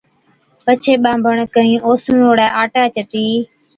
پڇي ٻانڀڻ ڪھين اوسڻوڙي آٽي چتِي